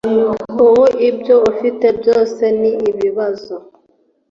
ubu ibyo afite byose ni ibibazo